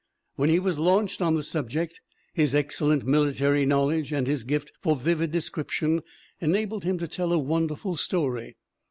When he was launched on the subject his excellent military knowledge and his gift for vivid description enabled him to tell a wonderful story.